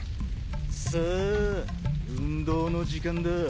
さあ運動の時間だ。